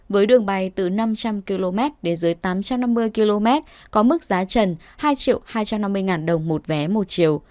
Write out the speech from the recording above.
với đường bay từ năm trăm linh km đến dưới tám trăm năm mươi km có mức giá trần hai hai trăm năm mươi đồng một vé một chiều